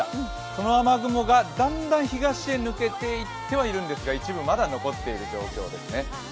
その雨雲がだんだん東へ抜けていってはいますが一部、まだ残っている状況ですね。